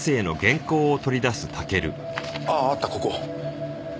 あっあったここ。